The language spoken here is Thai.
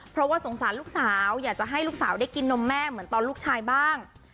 เพราะว่าสงสารลูกสาวอยากจะให้ลูกสาวได้กินนมแม่เหมือนตอนลูกชายบ้าง